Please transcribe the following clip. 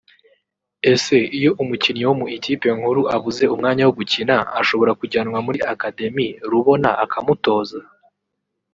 Ese iyo umukinnyi wo mu ikipe nkuru abuze umwanya wo gukina ashobora kujyanwa muri Academy Rubona akamutoza